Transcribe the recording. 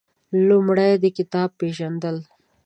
لومړی د کتاب پېژندل